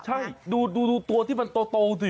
ใช่ดูตัวที่มันโตสิ